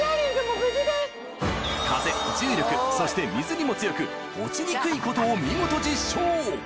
風重力そして水にも強く落ちにくいことを見事実証